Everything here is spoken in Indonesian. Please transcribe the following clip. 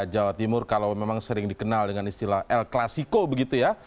jawa timur kalau memang sering dikenal dengan istilah el clasico begitu ya